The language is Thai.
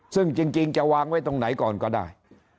ซึ่งจริงจะวางไว้ตรงไหนก่อนก็ได้